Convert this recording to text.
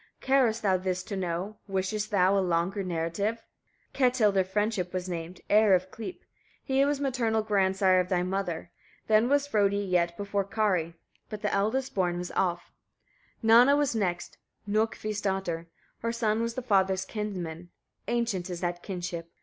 Carest thou this to know? Wishest thou a longer narrative? 20. Ketil their friend was named, heir of Klyp; he was maternal grandsire of thy mother. Then was Frodi yet before Kari, but the eldest born was Alf. 21. Nanna was next, Nokkvi's daughter; her son was thy father's kinsman, ancient is that kinship.